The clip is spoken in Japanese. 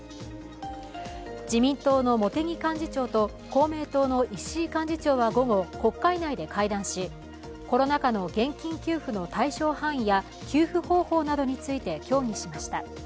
自民党の茂木幹事長と公明党の石井幹事長は午後、国会内で会談し、コロナ禍の現金給付の対象範囲や給付方法などについて協議しました。